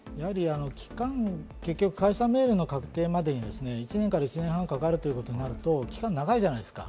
期間、解散命令の確定までに１年から１年半かかるということになると期間が長いじゃないですか。